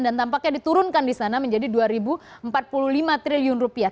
dan tampaknya diturunkan disana menjadi dua ribu empat puluh lima triliun rupiah